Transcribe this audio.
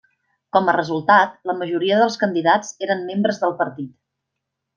Com a resultat, la majoria dels candidats eren membres del partit.